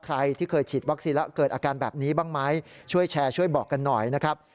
ใครที่เคยฉีดวัคซีนแล้วเกิดอาการแบบนี้บ้างไหมช่วยแชร์ช่วยบอกกันหน่อยนะครับ